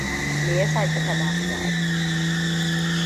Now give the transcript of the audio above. Meyasa kika damu da Aliyu?